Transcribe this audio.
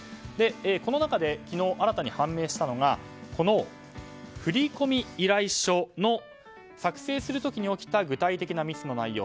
この中で昨日、新たに判明したのがこの振込依頼書の作成するときに起きた具体的なミスの内容。